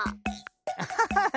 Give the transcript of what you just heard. アハハハ！